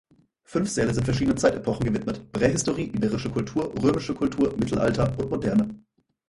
Fünf Säle sind verschiedenen Zeitepochen gewidmet: Prähistorie, Iberische Kultur, Römische Kultur, Mittelalter und Moderne.